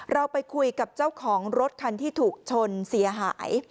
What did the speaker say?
เราไปคุยกับเจ้าของรถคันที่ถูกชนเสียหาย